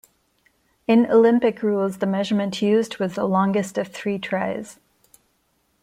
In Olympic rules, the measurement used was the longest of three tries.